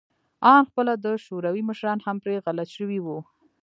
آن خپله د شوروي مشران هم پرې غلط شوي وو